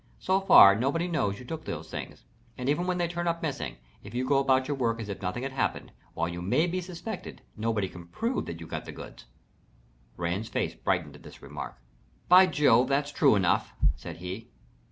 So far nobody knows you took these things, and even when they turn up missing, if you go about your work as if nothing had happened, while you may be suspected, nobody can prove that you got the goods." Rand's face brightened at this remark. "By Jove! that's true enough," said he.